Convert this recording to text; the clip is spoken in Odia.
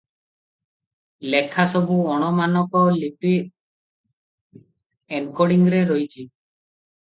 ଲେଖାସବୁ ଅଣ-ମାନକ ଲିପି ଏନକୋଡ଼ିଂରେ ରହିଛି ।